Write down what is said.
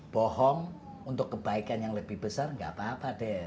bohong untuk kebaikan yang lebih besar nggak apa apa deh